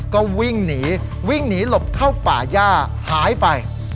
ก็วิ่งหนีวิ่งหนีหลบเข้าป่าย่าหายไป